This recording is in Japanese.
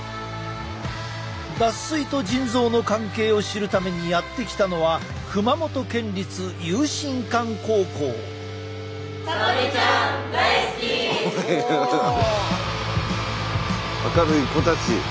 脱水と腎臓の関係を知るためにやって来たのは明るい子たち。